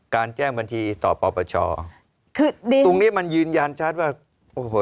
แจ้งบัญชีต่อปปชคือดีตรงเนี้ยมันยืนยันชัดว่าโอ้โห